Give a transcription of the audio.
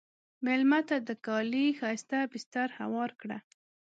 مېلمه ته د کالي ښایسته بستر هوار کړه.